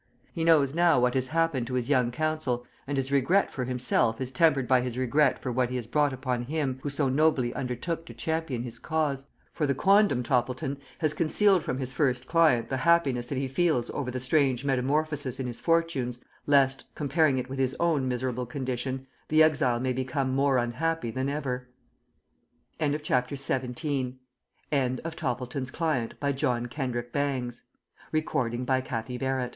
He knows now what has happened to his young counsel, and his regret for himself is tempered by his regret for what he has brought upon him who so nobly undertook to champion his cause, for the quondam Toppleton has concealed from his first client the happiness that he feels over the strange metamorphosis in his fortunes, lest, comparing it with his own miserable condition, the exile may become more unhappy than ever. THE END. Transcriber's Notes: Obvious punctuation errors repaired. Page viii, Table of Contents, "2